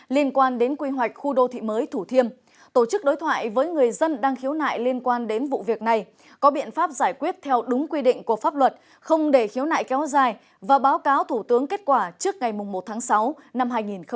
liên quan đến quy hoạch khu đô thị mới thủ thiêm tổ chức đối thoại với người dân đang khiếu nại liên quan đến vụ việc này có biện pháp giải quyết theo đúng quy định của pháp luật không để khiếu nại kéo dài và báo cáo thủ tướng kết quả trước ngày một tháng sáu năm hai nghìn hai mươi